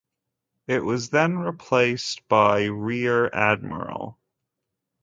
It was then replaced by rear admiral.